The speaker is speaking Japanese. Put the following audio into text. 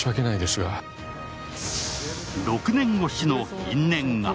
６年越しの因縁が。